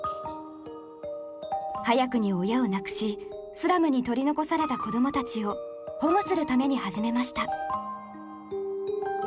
早くに親を亡くしスラムに取り残された子供たちを保護するために始めました。